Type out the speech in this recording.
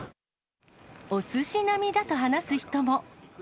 おすし並みだと話す人も。